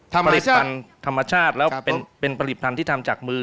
ธรรมชาติแล้วเป็นผลิตภัณฑ์ที่ทำจากมือ